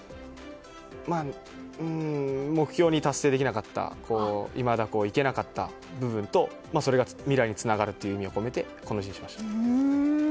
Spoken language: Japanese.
目標に達成できなかったいけなかった部分とそれが未来につながるという意味を込めてこの字にしました。